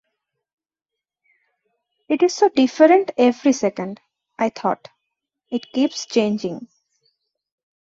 “It is so different every second” I thought. It keeps changing.